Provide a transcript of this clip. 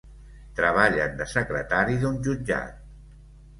Treballen de secretari d'un jutjat.